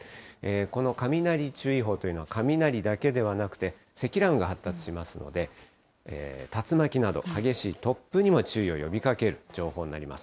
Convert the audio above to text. この雷注意報というのは雷だけではなくて、積乱雲が発達しますので、竜巻など激しい突風にも注意を呼びかける情報になります。